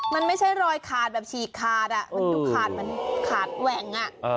มันไม่ใช่รอยขาดแบบฉีกขาดมันดูขาดมันขาดแหว่ง